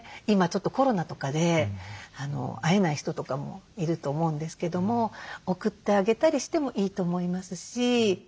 今ちょっとコロナとかで会えない人とかもいると思うんですけども送ってあげたりしてもいいと思いますし。